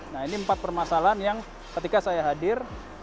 nah ini empat permasalahan yang ketika saya hadir